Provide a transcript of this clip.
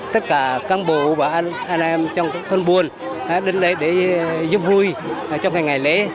tất cả căn bộ và anh em trong thôn buôn đến lễ để giúp vui trong ngày lễ